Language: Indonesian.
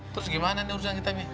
terus gimana nih urusan kita nih